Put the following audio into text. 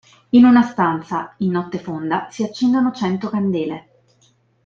In una stanza, in notte fonda, si accendono cento candele.